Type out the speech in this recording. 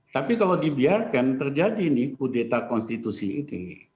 tapi kalau dibiarkan terjadi nih kudeta konstitusi ini